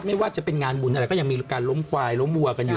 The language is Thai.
ไม่ว่าจะเป็นงานบุญอะไรก็ยังมีการล้มควายล้มวัวกันอยู่